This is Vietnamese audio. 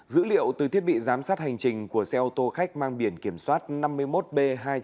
dữ liệu từ thiết bị giám sát hành trình của xe ô tô khách mang biển kiểm soát năm mươi một b hai mươi chín nghìn bốn trăm tám mươi chín